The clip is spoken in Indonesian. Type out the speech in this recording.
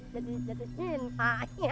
jadi jadi cinta